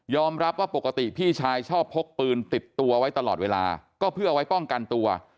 รับว่าปกติพี่ชายชอบพกปืนติดตัวไว้ตลอดเวลาก็เพื่อเอาไว้ป้องกันตัว